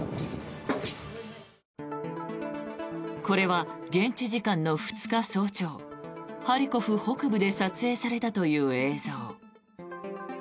これは現地時間の２日早朝ハリコフ北部で撮影されたという映像。